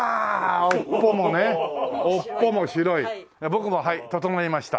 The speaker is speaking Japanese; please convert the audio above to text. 僕もはい整いました。